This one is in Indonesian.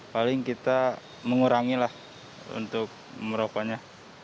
paling kita mengurangi lah untuk merokoknya